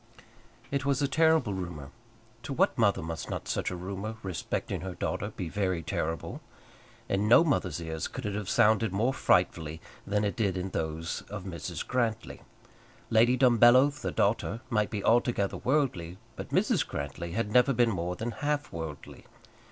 It was a terrible rumour. To what mother must not such a rumour respecting her daughter be very terrible? In no mother's ears could it have sounded more frightfully than it did in those of Mrs. Grantly. Lady Dumbello, the daughter, might be altogether worldly; but Mrs. Grantly had never been more than half worldly.